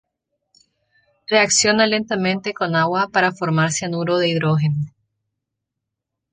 Reacciona lentamente con agua para formar cianuro de hidrógeno.